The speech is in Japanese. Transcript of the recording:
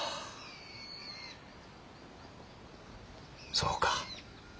そうか。